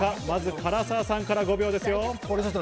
唐沢さんから、５秒ですよ。